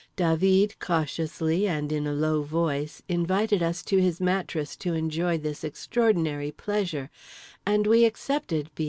Dah veed, cautiously and in a low voice, invited us to his mattress to enjoy this extraordinary pleasure; and we accepted, B.